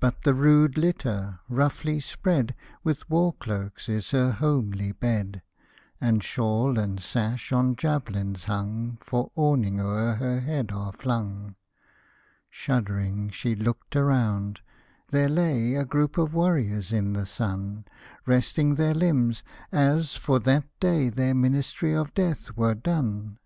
But the rude litter, roughly spread With war cloaks, is her homely bed, And shawl and sash, on javelins hung, For awning o'er her head are flung. Shuddering she looked around^ there lay A group of warriors in the sun. Resting their limbs, as for that day Their ministry of death were done.